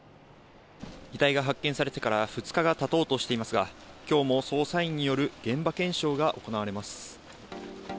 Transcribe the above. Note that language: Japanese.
遺体が発見されてから２日がたとうとしていますが、きょうも捜査員による現場検証が行われます。